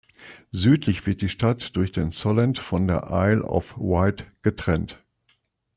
Südlich wird die Stadt durch den Solent von der Isle of Wight getrennt.